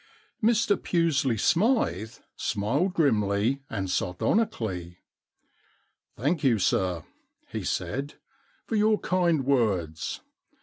Mr Pusely Smythe smiled grimly and sar donically. * Thank you, sir,' he said, * for your kind words.